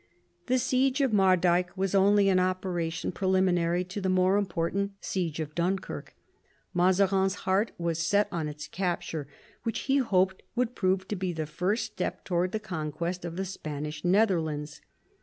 The siege of Mardyke was only an operation pre liminary to the more important siege of Dunkirk. Mazarin's heart was set on its capture, which he hoped would prove to be the first step towards the conquest of the Spanish Netherlands.